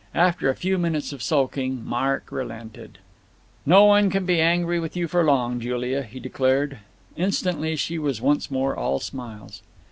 After a few minutes of sulking, Mark relented. "No one could be angry with you for long, Julia," he declared. Instantly she was once more all smiles.